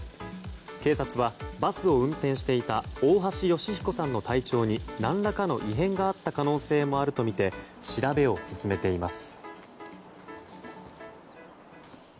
警察はバスを運転していた大橋義彦さんの体調に何らかの異変があった可能性もあるとみて調べを進めています。